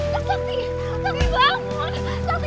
zatik bangun dong